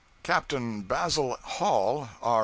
Captain Basil Hall. R.